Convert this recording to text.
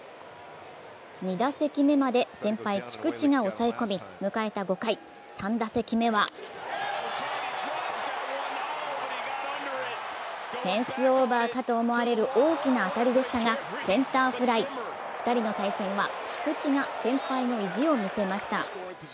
２打席目まで先輩・菊池が押さえ込み、迎えた５回、３打席目はフェンスオーバーかと思われる大きな当たりでしたが、２人の対戦は菊池が先輩の意地を見せました。